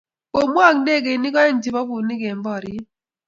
Komwok ndegeinik aeng' chebo bunik eng' poryet.